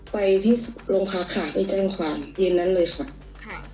ไปที่โรงพักค่ะไปแจ้งความเย็นนั้นเลยค่ะค่ะ